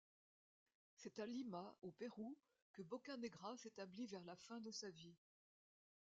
C'est à Lima, au Pérou, que Bocanegra s'établit vers la fin de sa vie.